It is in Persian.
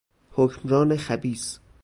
حکمران خبیث